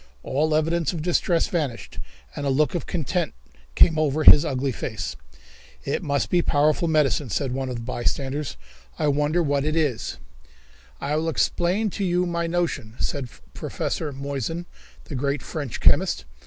All evidences of distress vanished, and a look of content came over his ugly face. "It must be a powerful medicine," said one of the bystanders. "I wonder what it is." "I will explain to you my notion," said Professor Moissan, the great French chemist.